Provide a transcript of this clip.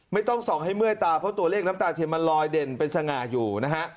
ไม่ต้องส่องให้เมื่อยตาเพราะตัวเลขน้ำตาเทียนมันลอยเด่นเป็นสง่าอยู่นะฮะ